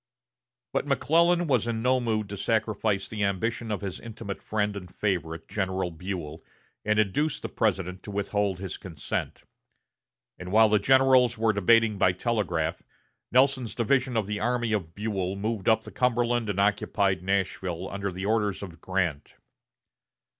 But McClellan was in no mood to sacrifice the ambition of his intimate friend and favorite, General Buell, and induced the President to withhold his consent; and while the generals were debating by telegraph, Nelson's division of the army of Buell moved up the Cumberland and occupied Nashville under the orders of Grant.